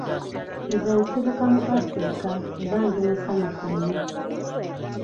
Nze nsibuka mu Africa era ndi musanyufu nnyo.